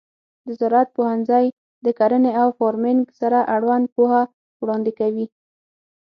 د زراعت پوهنځی د کرنې او فارمینګ سره اړوند پوهه وړاندې کوي.